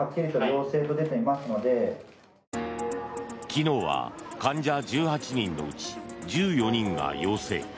昨日は患者１８人のうち１４人が陽性。